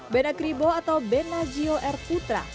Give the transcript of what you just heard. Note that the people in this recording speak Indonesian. bena kribo atau benazio r putra